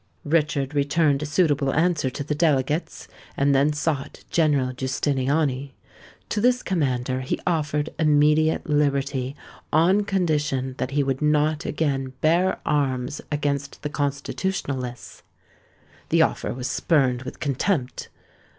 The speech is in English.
Richard returned a suitable answer to the delegates, and then sought General Giustiniani. To this commander he offered immediate liberty, on condition that he would not again bear arms against the Constitutionalists. The offer was spurned with contempt.